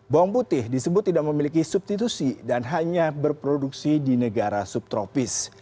bawang putih disebut tidak memiliki substitusi dan hanya berproduksi di negara subtropis